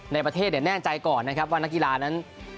ในประเทศแน่ใจก่อนนะครับว่านักกีฬานั้น